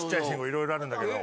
いろいろあるんだけど。